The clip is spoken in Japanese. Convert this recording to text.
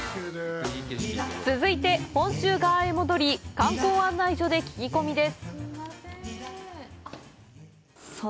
続いて、本州側へ戻り観光案内所で聞き込みです！